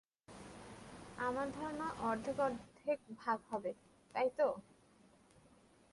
আমার ধারণা অর্ধেক-অর্ধেক ভাগ হবে, তাই তো?